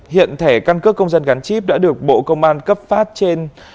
hiện thẻ căn cước công dân gắn chip đã được bộ công an cấp phát trên